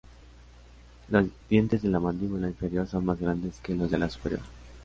Los dientes de la mandíbula inferior son más grandes que los de la superior.